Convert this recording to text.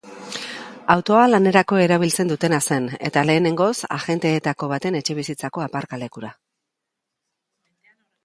Autoa lanerako erabiltzen dutena zen eta lehenengoz agenteetako baten etxebizitzako aparkalekura eraman dute.